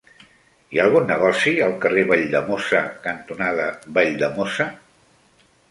Hi ha algun negoci al carrer Valldemossa cantonada Valldemossa?